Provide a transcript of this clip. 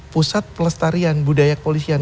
pusat pelestarian budaya kepolisian